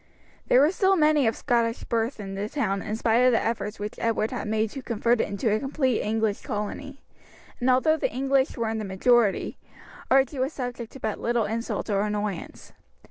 There were still many of Scottish birth in the town in spite of the efforts which Edward had made to convert it into a complete English colony, and although the English were in the majority, Archie was subject to but little insult or annoyance.